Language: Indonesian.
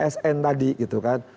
sn tadi gitu kan